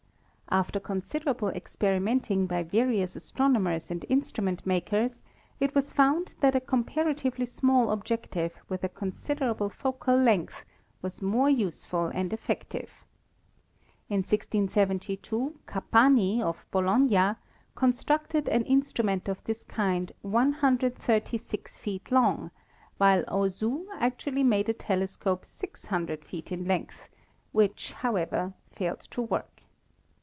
After considerable ex perimenting by various astronomers and instrument mak ers, it was found that a comparatively small objective with a considerable focal length was most useful and effective. In 1672 Capani, of Bologna, constructed an instrument of this kind 136 feet long, while Auzout actually made a tele scope 600 feet in length, which, however, failed to work.